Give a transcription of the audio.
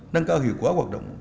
nâng cao hiệu quả hoạt động